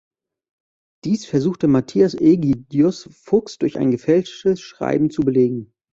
Dies versuchte Matthias Ägidius Fuchs durch ein gefälschtes Schreiben zu belegen.